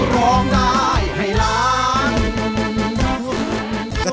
ร้องได้ให้ล้าน